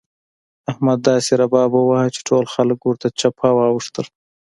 احمد داسې رباب وواهه چې ټول خلګ ورته چپه واوښتل.